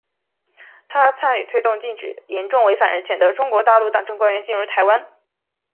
她参与推动禁止严重违反人权的中国大陆党政官员进入台湾。